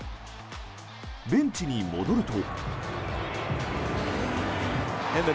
ベンチに戻ると。